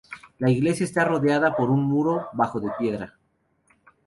La iglesia está rodeada por un muro bajo de piedra.